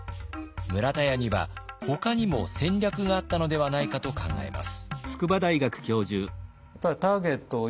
村田屋にはほかにも戦略があったのではないかと考えます。